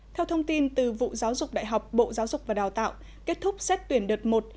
theo thông tin từ vụ giáo dục đại học bộ giáo dục và đào tạo kết thúc xét tuyển đợt một